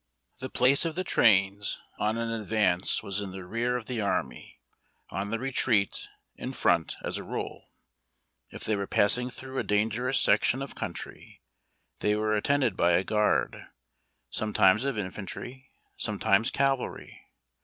The place of the trains on an advance was in the rear of the army ; on the retreat, in front, as a rule. If they were passing through a dangerous section of country, they were attended by a guard, sometimes of infantry, sometimes cavalry.